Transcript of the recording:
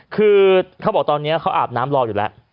คือเขาบอกตอนนี้เขาอาบน้ำรออยู่แล้ว